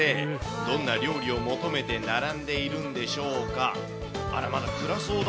どんな料理を求めて並んでいるんでしょうか。